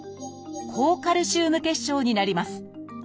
「高カルシウム血症」になります。